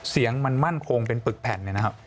เสียงมันมั่นโครงเป็นปึกแผ่น